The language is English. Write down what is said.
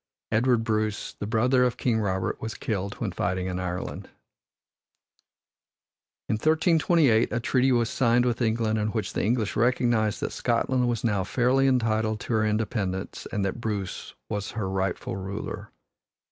Edward Bruce, the brother of King Robert, was killed when fighting in Ireland. In 1328 a treaty was signed with England in which the English recognized that Scotland was now fairly entitled to her independence and that Bruce was her rightful ruler.